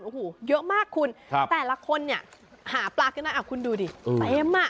โอ้โหเยอะมากคุณครับแต่ละคนเนี้ยหาปลากันหน่อยอ่ะคุณดูดิแปมอ่ะ